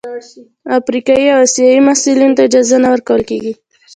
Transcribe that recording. افریقايي او اسیايي محصلینو ته اجازه نه ورکول کیږي.